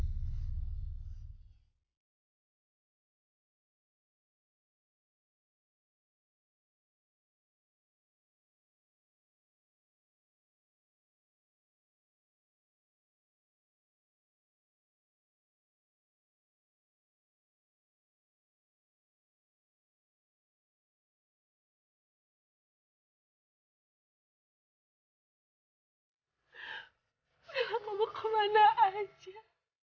bella kamu kemana saja